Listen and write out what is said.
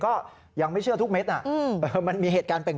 ก็ยังไม่เชื่อทุกเม็ดอะมันมีมาเหตุการณ์